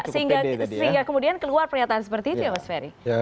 sehingga kemudian keluar pernyataan seperti itu ya mas ferry